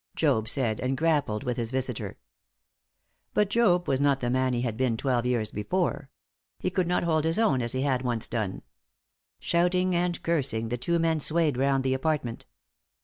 Job said, and grappled with his visitor. But Job was not the man he had been twelve years before; he could not hold his own as he had once done. Shouting and cursing, the two men swayed round the apartment.